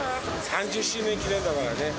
３０周年記念だからね。